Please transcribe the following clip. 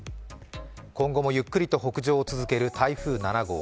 今後もゆっくりと北上を続ける台風７号。